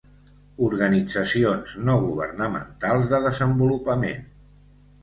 Organitzacions no governamentals de desenvolupament.